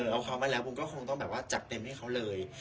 เอาเขามาแล้วผมก็คงต้องแบบว่าจัดเต็มให้เขาเลย